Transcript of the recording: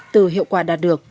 từ hiệu quả đạt được